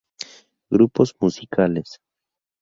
Grupos Musicales